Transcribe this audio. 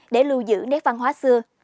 để lưu giữ nét văn hóa xưa